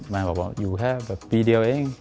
แม่งบอกว่าอยู่แค่ปีเดียวเอง